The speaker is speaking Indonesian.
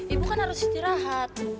ibu kan harus istirahat